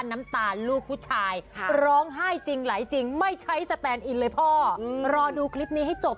ทำไมร้องไห้ขนาดนี้พี่พี่คนดี